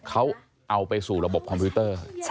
เขาเอาไปสู่ระบบคอมพิวเตอร์